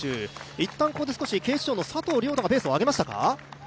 いったんここで警視庁の佐藤諒太がペースを上げましたか。